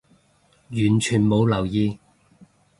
完全冇留意